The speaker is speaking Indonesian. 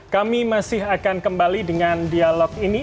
kami masih akan kembali dengan dialog ini